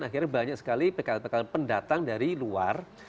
akhirnya banyak sekali pkl pkl pendatang dari luar